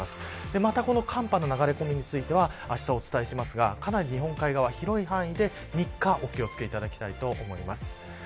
また寒波の流れ込みについてはあした、お伝えしますがかなり日本海側、広い範囲で３日お気を付けいただきたいと思います。